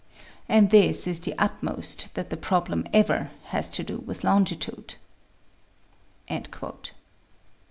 And this is the utmost that the problem ever has to do with longitude."